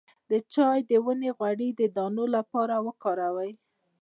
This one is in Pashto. د چای د ونې غوړي د دانو لپاره وکاروئ